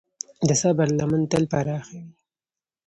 د صبر لمن تل پراخه وي.